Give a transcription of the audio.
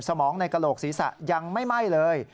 สมองในกระโหลกศีรษะยังไม่ไหม้เลย